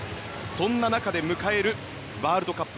そんな中で迎えるワールドカップ